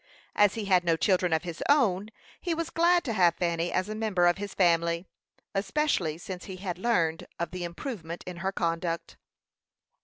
As he had no children of his own, he was glad to have Fanny as a member of his family, especially since he had learned of the improvement in her conduct.